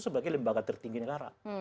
sebagai lembaga tertinggi negara